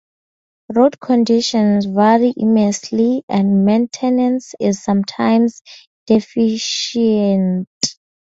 Road conditions vary immensely, and maintenance is sometimes deficient.